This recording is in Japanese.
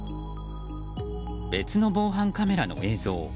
別の防犯カメラの映像。